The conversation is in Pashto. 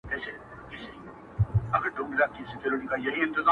پر ټگانو چى يې جوړ طلا باران كړ!.